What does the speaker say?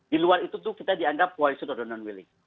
di luar itu kita dianggap koalisi non willing